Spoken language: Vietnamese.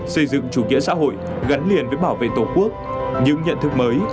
xây dựng chủ nghĩa xã hội gắn liền với bảo vệ tổ quốc những nhận thức mới